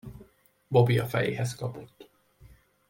Bobby a fejéhez kapott.